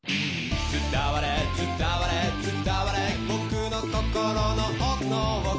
「伝われ伝われ伝われ僕の心の奥の奥」